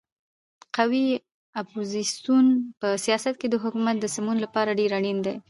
قوي اپوزیسیون په سیاست کې د حکومت د سمون لپاره ډېر اړین دی.